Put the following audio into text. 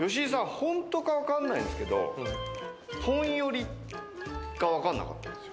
本当かわかんないんですけど、ポン寄りがわからなかったんですよ。